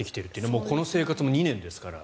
もうこの生活も２年ですから。